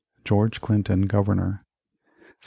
George Clinton Governor 1745.